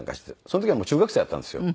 その時は中学生だったんですよ。